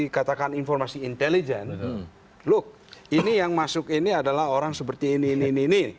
katakan informasi intelijen loh ini yang masuk ini adalah orang seperti ini ini ini